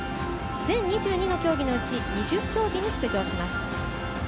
全２２の競技のうち２０競技に出場します。